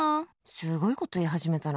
すごいこと言い始めたな